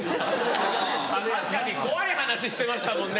確かに怖い話してましたもんね